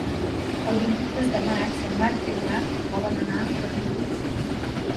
El vint-i-tres de maig en Marc i en Marc volen anar a la biblioteca.